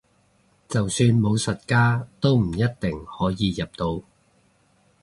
就算武術家都唔一定可以入到